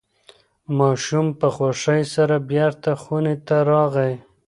ماشوم په خوښۍ سره بیرته خونې ته راغی.